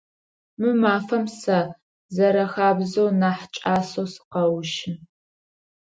Мы мафэм сэ, зэрэхабзэу, нахь кӏасэу сыкъэущы.